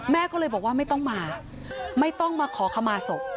แม่ก็เลยบอกว่าไม่ต้องมาไม่ต้องมาขอขมาศพ